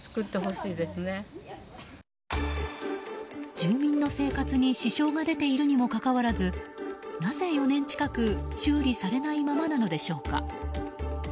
住民の生活に支障が出ているにもかかわらずなぜ４年近く修理されないままなのでしょうか。